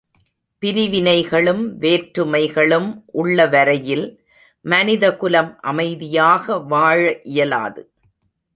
பிரிவினைகளும் வேற்றுமைகளும் உள்ள வரையில், மனிதகுலம் அமைதியாக வாழஇயலாது.